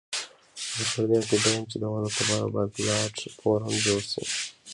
زه پر دې عقيده یم چې د وحدت لپاره باید پلاټ فورم جوړ شي.